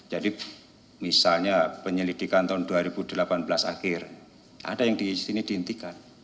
jadi misalnya penyelidikan tahun dua ribu delapan belas akhir ada yang di sini dihentikan